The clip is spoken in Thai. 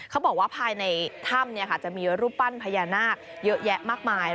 เขาบอกว่าภายในถ้ำจะมีรูปปั้นพญานาคเยอะแยะมากมาย